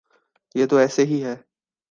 یہ تو ایسے ہی ہے۔